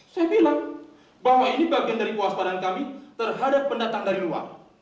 saya bilang bahwa ini bagian dari kewaspadaan kami terhadap pendatang dari luar